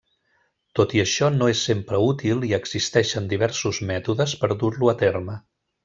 Tot i això no és sempre útil i existeixen diversos mètodes per dur-lo a terme.